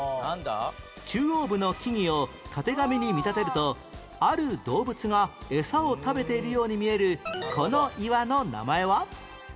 中央部の木々をたてがみに見立てるとある動物がエサを食べているように見えるこの岩の名前は？